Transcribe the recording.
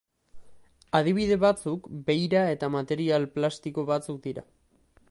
Adibide batzuk beira eta material plastiko batzuk dira.